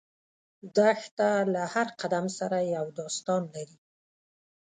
دښته له هر قدم سره یو داستان لري.